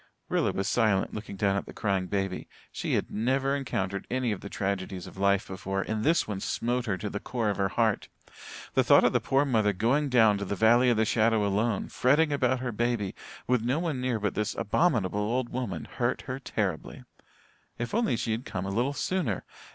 Rilla was silent, looking down at the crying baby. She had never encountered any of the tragedies of life before and this one smote her to the core of her heart. The thought of the poor mother going down into the valley of the shadow alone, fretting about her baby, with no one near but this abominable old woman, hurt her terribly. If she had only come a little sooner!